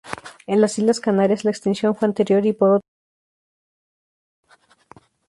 En las islas Canarias, la extinción fue anterior y por otros motivos.